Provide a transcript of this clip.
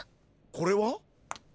これは？